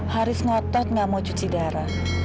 haris ngotot gak mau cuci darah